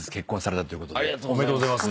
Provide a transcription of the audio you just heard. おめでとうございます。